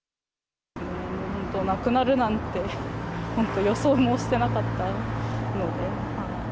本当、なくなるなんて、本当予想もしてなかったので。